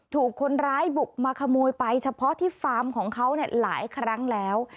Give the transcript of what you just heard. ถูกคนร้ายบุกมาขโมยไปเฉพาะที่ฟาร์มของเขาหลายครั้งแล้ว